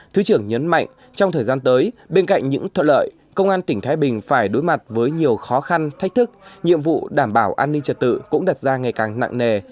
thứ trưởng nhấn mạnh trong thời gian tới bên cạnh những thuận lợi công an tỉnh thái bình phải đối mặt với nhiều khó khăn thách thức nhiệm vụ đảm bảo an ninh trật tự cũng đặt ra ngày càng nặng nề